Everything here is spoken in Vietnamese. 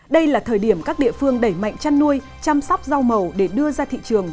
đây là thời điểm các địa phương đẩy mạnh chăn nuôi chăm sóc rau màu để đưa ra thị trường